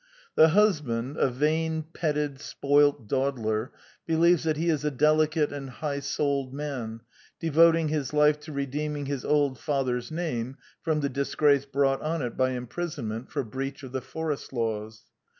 The husband, a vain, petted, spoilt dawdler, helVcvcs I\i2if1^vrt^ high souled man, devoting his life to redeeming his old father's name from the disgrace brought on it by imprisonment for breach of the forest laws.